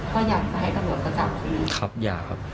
ก็อยากให้ตรวจเขาจับใช่ไหมครับอยากครับ